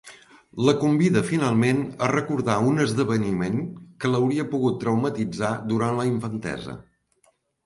La convida finalment a recordar un esdeveniment que l’hauria pogut traumatitzar durant la infantesa.